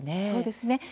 そうですね。